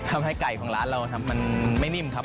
ทำให้ไก่ของร้านเราครับมันไม่นิ่มครับ